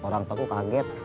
orang tua aku kaget